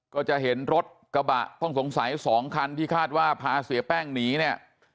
ก็จะเห็นรถกระบะต้องสงสัย๒คันที่คาดว่าพาเสียแป้งหนีเนี่ย